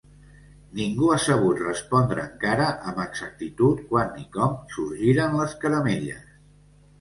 Ningú ha sabut respondre encara amb exactitud quan i com sorgiren les caramelles.